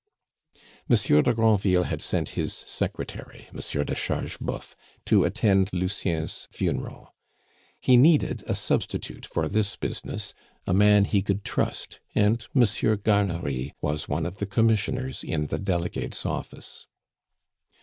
Monsieur de Granville had sent his secretary, Monsieur de Chargeboeuf, to attend Lucien's funeral; he needed a substitute for this business, a man he could trust, and Monsieur Garnery was one of the commissioners in the Delegates' office.